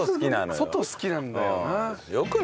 外好きなんだよな。